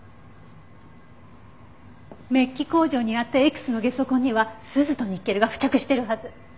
メッキ工場にあったＸのゲソ痕にはスズとニッケルが付着してるはず。